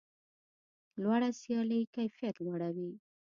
لوړه سیالي کیفیت لوړوي.